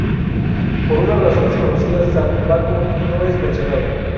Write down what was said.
Por una razón desconocida San Baco no es mencionado.